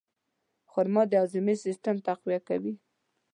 خرما د هاضمې سیستم تقویه کوي.